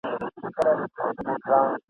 پروا نسته زما د حق